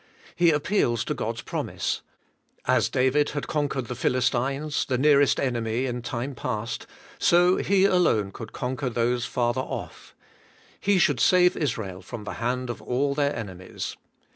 He appeals to God's promise: as David had conquered the Philistines, the nearest enemy in time past, so he alone could conquer those farther off. He should save Israel from the hand of all their enemies.